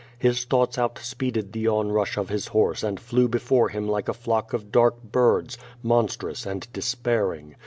His thoughts outspeeded the onrush of his horse and flew before him like a flock of dark birds, monstrous and dt^spairing.